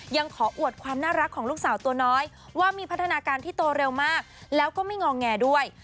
ยังขออวดความน่ารักของลูกสาวตัวน้อยว่ามีพัฒนาการที่โตเร็วมากแล้วก็ไม่งอแงด้วย